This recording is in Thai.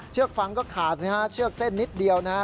เชือกฟางก็ขาดเชือกเส้นนิดเดียวนะฮะ